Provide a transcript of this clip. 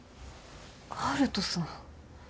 悠人さん。